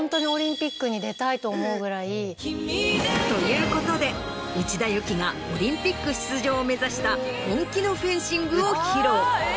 もうホントに。と思うぐらい。ということで内田有紀がオリンピック出場を目指した本気のフェンシングを披露。